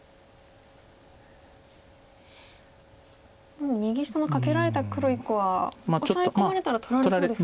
もう右下のカケられた黒１個はオサエ込まれたら取られそうですが。